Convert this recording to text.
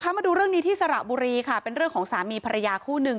มาดูเรื่องนี้ที่สระบุรีค่ะเป็นเรื่องของสามีภรรยาคู่หนึ่ง